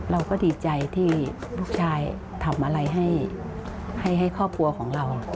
เราก็ดีใจที่ลูกชายทำอะไรให้ครอบครัวของเรา